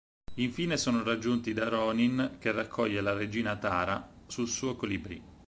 Infine sono raggiunti da Ronin che raccoglie la Regina Tara sul suo colibrì.